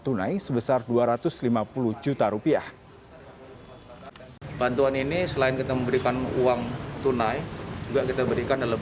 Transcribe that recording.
tunai sebesar dua ratus lima puluh juta rupiah bantuan ini selain kita memberikan uang tunai juga kita berikan dalam